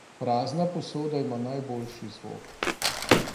Prazna posoda ima najboljši zvok.